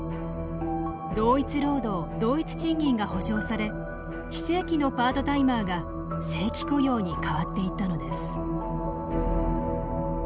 同一労働同一賃金が保証され非正規のパートタイマーが正規雇用に変わっていったのです。